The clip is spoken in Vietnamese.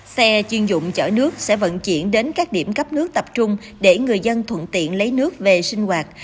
xe chuyên dụng chở nước sẽ vận chuyển đến các điểm cấp nước tập trung để người dân thuận tiện lấy nước về sinh hoạt